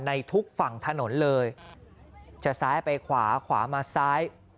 ในทุกฝั่งถนนเลยจะซ้ายไปขวาขวามาซ้าย